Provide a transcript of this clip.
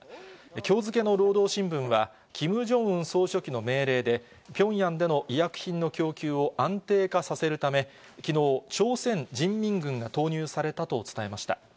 きょう付けの労働新聞は、キム・ジョンウン総書記の命令で、ピョンヤンでの医薬品の供給を安定化させるため、きのう、朝鮮人民軍が投入されたと伝えました。